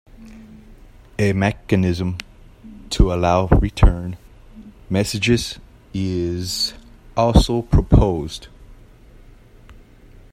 A mechanism to allow return messages is also proposed.